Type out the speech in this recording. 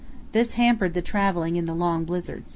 This hampered the travelling in the long blizzards.